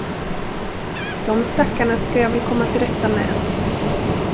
De stackarna ska jag väl komma till rätta med.